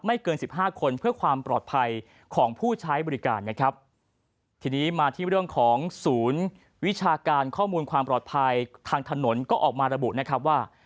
เกินสิบห้าคนเพื่อความปลอดภัยของผู้ใช้บริการนะครับทีนี้มาที่เรื่องของศูนย์วิชาการข้อมูลความปลอดภัยทางถนนก็ออกมาระบุนะครับว่า